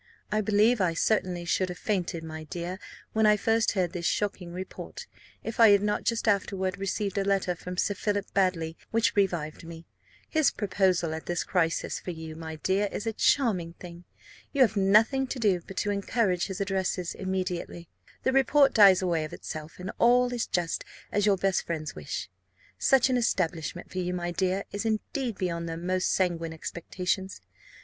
I believe I certainly should have fainted, my dear, when I first heard this shocking report, if I had not just afterward received a letter from Sir Philip Baddely which revived me. His proposal at this crisis for you, my dear, is a charming thing. You have nothing to do but to encourage his addresses immediately, the report dies away of itself, and all is just as your best friends wish. Such an establishment for you, my dear, is indeed beyond their most sanguine expectations.